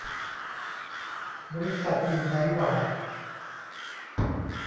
บริษัทอยู่ไหนหว่า